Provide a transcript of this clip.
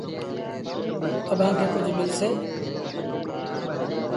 اڀآنٚ کي ڪجھ ملسي